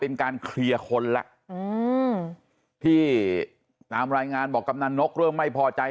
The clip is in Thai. เป็นการเคลียร์คนล่ะพี่ตามรายงานบอกกำหนังนกเรื่องไม่พอใจ